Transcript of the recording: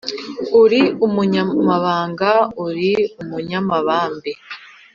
Uri umunyambaraga uri umunyebambe;